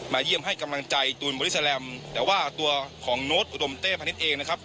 เยี่ยมให้กำลังใจตูนบริสแลมแต่ว่าตัวของโน้ตอุดมเต้พนิษฐ์เองนะครับ